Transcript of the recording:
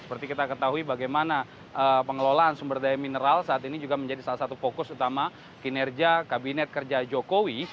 seperti kita ketahui bagaimana pengelolaan sumber daya mineral saat ini juga menjadi salah satu fokus utama kinerja kabinet kerja jokowi